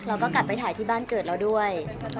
แล้วก็กลับไปถ่ายที่บ้านเกิดเราด้วย